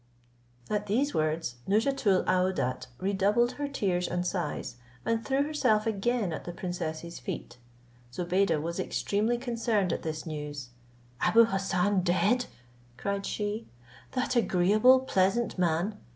At these words Nouzhatoul aouadat redoubled her tears and sighs, and threw herself again at the princess's feet. Zobeide was extremely concerned at this news. "Abou Hassan dead!" cried she; "that agreeable, pleasant man!